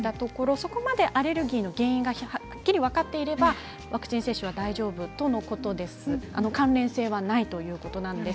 そこまでアレルギーの原因がはっきり分かっていればワクチン接種は大丈夫関連性はないということです。